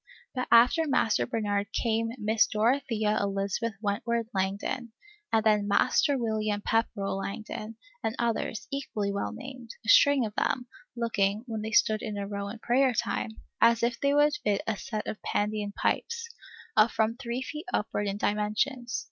But after Master Bernard came Miss Dorothea Elizabeth Wentworth Langdon, and then Master William Pepperell Langdon, and others, equally well named, a string of them, looking, when they stood in a row in prayer time, as if they would fit a set of Pandean pipes, of from three feet upward in dimensions.